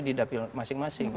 di dapil masing masing